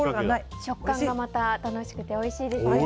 食感もまた楽しくておいしいですよね。